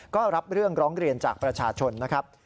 ก็รับเรื่องร้องเรียนจากประชาชนนะครับ